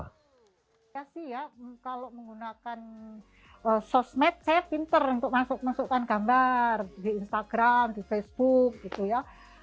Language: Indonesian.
ya sih ya kalau menggunakan sosmed saya pinter untuk masuk masukkan gambar di instagram di facebook gitu ya